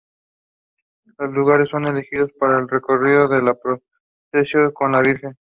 Los lugares son elegidos para el recorrido de la procesión con la virgen.